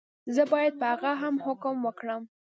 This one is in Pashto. زه باید په هغه هم حکم وکړم.